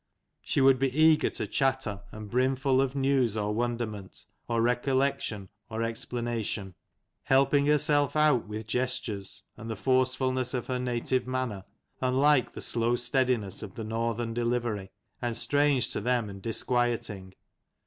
She would be eager to chatter, and brimful of news, or wonderment, or recollection, or explanation : helping herself out with gestures, and the forcefulness of her native manner, unlike the slow steadiness of the Northern delivery, and strange to them and disquieting.